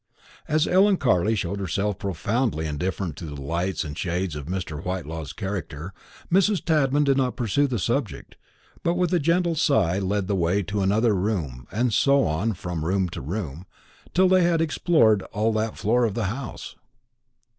As Ellen Carley showed herself profoundly indifferent to the lights and shades of Mr. Whitelaw's character, Mrs. Tadman did not pursue the subject, but with a gentle sigh led the way to another room, and so on from room to room, till they had explored all that floor of the house.